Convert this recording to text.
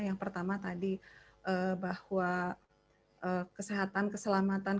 yang pertama tadi bahwa kesehatan keselamatan